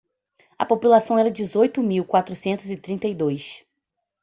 A população era dezoito mil quatrocentos e trinta e dois.